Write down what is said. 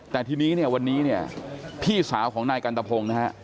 แต่ทีนี้เนี่ยวันนี้เนี่ยพี่สาวของนายกันตะพงศ์นะฮะ